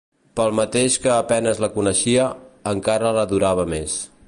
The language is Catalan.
Pel mateix que a penes la coneixia, encara l'adorava més.